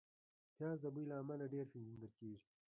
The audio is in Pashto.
پیاز د بوی له امله ډېر پېژندل کېږي